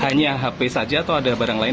hanya hp saja atau ada barang lain